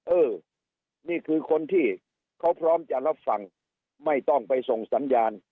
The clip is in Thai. เออนี่คือคนที่เขาพร้อมจะรับฟังไม่ต้องไปส่งสัญญาณ